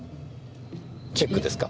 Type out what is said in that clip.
チェックですか？